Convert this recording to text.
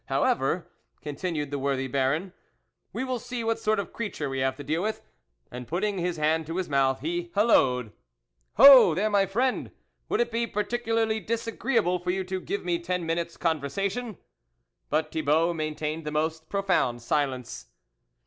However," continued the worthy Baron, "we will see what sort of creature we have to deal with." And putting his hand to his mouth, he halloed :" Ho, there, my friend ! would it be particularly disagreeable for you to give me ten minutes' conversation ?" But Thibault maintained the most pro found silence.